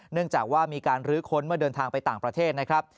เนื่องจากว่ามีการลื้อค้นเมื่อเดินทางไปต่างประเทศนะครับ